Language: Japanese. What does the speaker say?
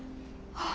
ああ。